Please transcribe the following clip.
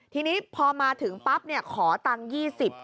ทีนี้พอมาถึงปั๊บขอตังค์๒๐บาท